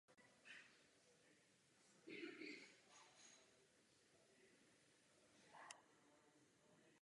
Na jejím počátku byly součástí Velkého loďstva.